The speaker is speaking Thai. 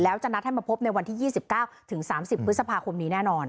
แล้วจะนัดให้มาพบในวันที่๒๙๓๐พฤษภาคมนี้แน่นอน